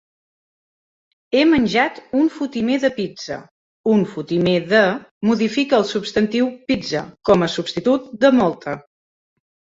"He menjat un fotimer de pizza": "un fotimer de" modifica el substantiu "pizza", com a substitut de "molta".